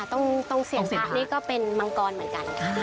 มังกรตรงเสียงภาพนี้ก็เป็นมังกรเหมือนกันค่ะ